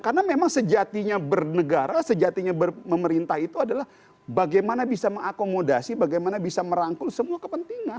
karena memang sejatinya bernegara sejatinya memerintah itu adalah bagaimana bisa mengakomodasi bagaimana bisa merangkul semua kepentingan